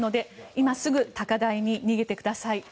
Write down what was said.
今すぐ高台に逃げてください。